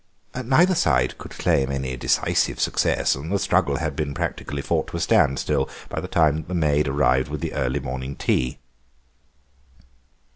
Neither side could claim any decisive success, and the struggle had been practically fought to a standstill by the time that the maid appeared with the early morning tea.